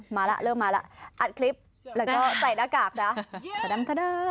มาล่ะเริ่มมาล่ะอัดคลิปแล้วก็ใส่หน้ากากนะ